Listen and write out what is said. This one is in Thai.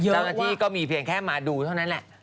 เจ้าหน้าที่ก็มีเพียงแค่มาดูเท่านั้นแหละ